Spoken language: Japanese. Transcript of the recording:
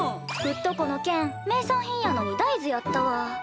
うっとこの県名産品やのに大豆やったわ。